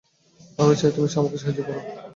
আমি চাই তুমি আমাকে সাহায্য করো।